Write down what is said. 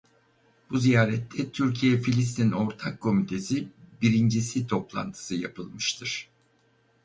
Bu ziyarette Türkiye-Filistin Ortak Komitesi Birincisi Toplantısı yapılmıştır.